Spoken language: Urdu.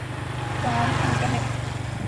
ٹام موٹا ہے